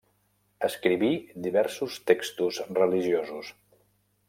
Escriví diversos textos religiosos.